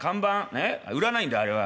ね売らないんだあれは。